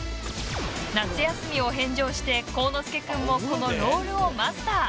夏休みを返上して幸之介君もこのロールをマスター。